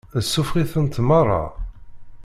Suffeɣ-itent meṛṛa.